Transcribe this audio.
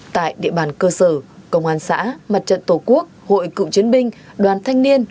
tại địa bàn cơ sở công an xã mặt trận tổ quốc hội cựu chiến binh đoàn thanh niên